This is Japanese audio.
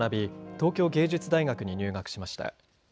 東京藝術大学に入学しました。